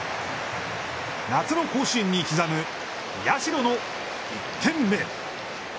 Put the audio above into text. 夏の甲子園に刻む、社の１点目。